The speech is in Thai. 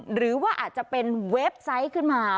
หรือว่าอาจจะเป็นเว็บไซต์ขึ้นมา